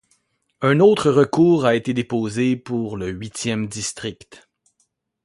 Un autre recours a été déposé pour le huitième district.